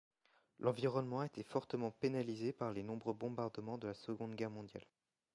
L'environnement a été fortement pénalisé par les nombreux bombardements de la Seconde Guerre mondiale.